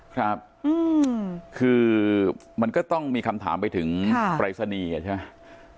ครับอืมคือมันก็ต้องมีคำถามไปถึงค่ะปรัยสนีอ่ะใช่ไหม